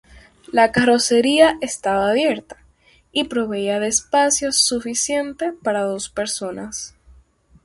La carrocería estaba abierta y proveía de espacio suficiente para dos personas.